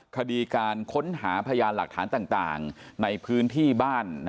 คดีการค้นหาพยานหลักฐานต่างในพื้นที่บ้าน